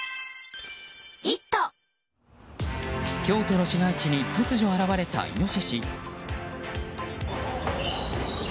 京都の市街地に突如現れたイノシシ。